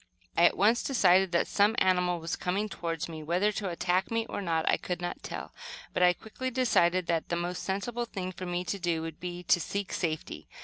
I at once decided that some animal was coming toward me, whether to attack me or not, I could not tell. But I quickly decided that the most sensible thing for me to do would be to seek safety.